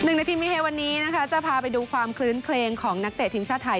หนึ่งนาทีมีเฮวันนี้นะคะจะพาไปดูความคลื้นเคลงของนักเตะทีมชาติไทย